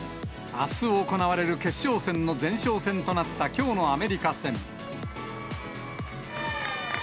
あす行われる決勝戦の前哨戦となった、きょうのアメリカ戦。